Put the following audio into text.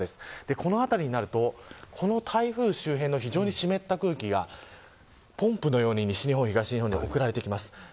この辺りになると台風周辺の湿った空気がポンプのように西日本、東日本に送られてきます。